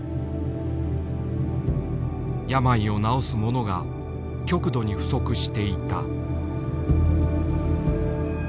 病を治す者が極度に不足していた。